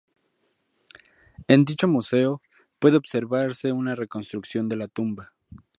En dicho museo, puede observarse una reconstrucción de la tumba.